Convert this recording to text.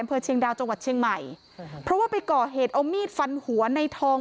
เพื่อเชียงดาวจังหวัดเชียงใหม่เพราะว่าไปก่อเหตุเอามีดฟันหัวในทอง